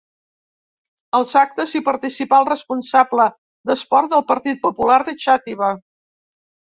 Als actes hi participà el responsable d'esport del Partit Popular de Xàtiva.